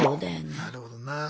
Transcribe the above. なるほどな。